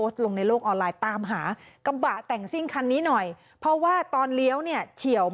เดี๋ยว